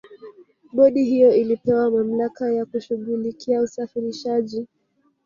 bodi hiyo ilipewa mamlaka ya kushughulikia usafirishaji